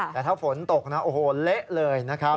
แต่ถ้าฝนตกนะโอ้โหเละเลยนะครับ